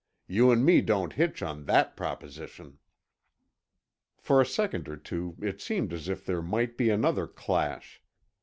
You and me don't hitch on that proposition." For a second or two it seemed as if there might be another clash.